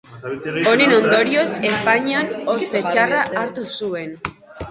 Honen ondorioz, Espainian ospe txarra hartu zuen.